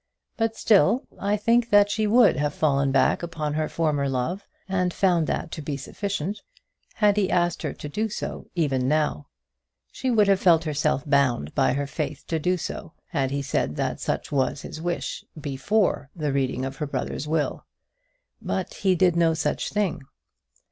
But still I think that she would have fallen back upon her former love, and found that to be sufficient, had he asked her to do so even now. She would have felt herself bound by her faith to do so, had he said that such was his wish, before the reading of her brother's will. But he did no such thing.